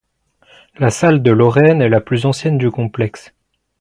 La Salle de Lorraine est la plus ancienne du complexe.